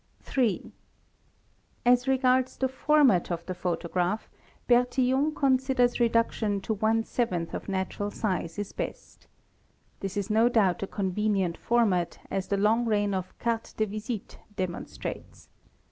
: 3. As regards the format of the photograph Bertillon considers ~ reduction to one seventh of natural size is best. This is no doubt a con venient format, as the long reign of Cartes de visite demonstrates.